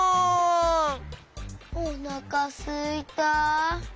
おなかすいた。